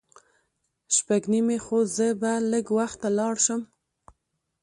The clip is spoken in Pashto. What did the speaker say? شپږ نیمې خو زه به لږ وخته لاړ شم.